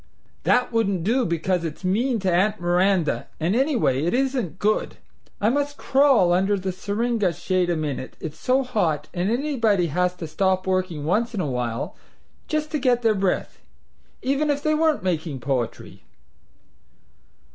That wouldn't do because it's mean to Aunt Miranda, and anyway it isn't good. I MUST crawl under the syringa shade a minute, it's so hot, and anybody has to stop working once in a while, just to get their breath, even if they weren't making poetry.